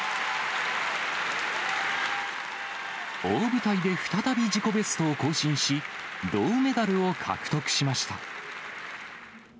大舞台で再び自己ベストを更新し、銅メダルを獲得しました。